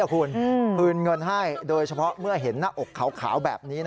คุณคืนเงินให้โดยเฉพาะเมื่อเห็นหน้าอกขาวแบบนี้